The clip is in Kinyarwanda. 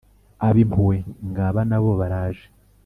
ab'impuhwe ngaba nabo baraje